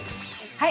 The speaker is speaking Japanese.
はい。